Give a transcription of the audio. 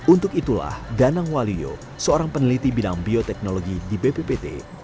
untuk itulah danang waliyo seorang peneliti bidang bioteknologi di bppt